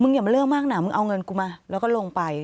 อย่ามาเลิกมากนะมึงเอาเงินกูมาแล้วก็ลงไป